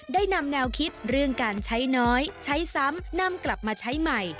ได้นำแนวคิดเรื่องการใช้น้อยใช้ซ้ำนำกลับมาใช้ใหม่